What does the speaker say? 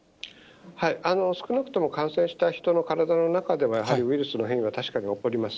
少なくとも感染した人の体の中では、やはりウイルスの変異が確かに起こります。